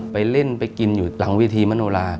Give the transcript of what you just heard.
ไปเล่นไปกินอยู่หลังเวทีมโนรา